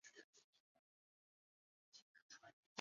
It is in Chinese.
卒后谥文恭。